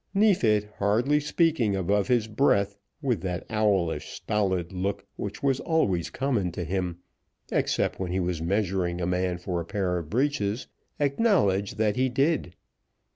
Neefit, hardly speaking above his breath, with that owlish, stolid look, which was always common to him except when he was measuring a man for a pair of breeches, acknowledged that he did.